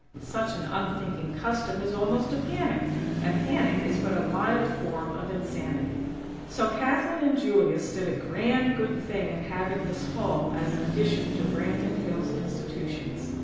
Such an unthinking custom is almost a panic, and panic is but a mild form of insanity. So Kathlyn and Julius did a grand, good thing in having this Hall as an addition to Branton Hills' institutions.